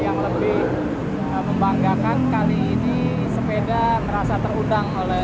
ya kita sambut baik dan yang lebih membanggakan kali ini sepeda ngerasa terhutang oleh